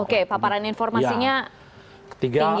oke paparan informasinya tinggi